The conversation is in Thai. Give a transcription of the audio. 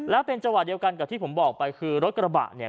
แล้วเป็นจังหวะเดียวกันกับที่ผมบอกไปคือรถกระบะเนี่ย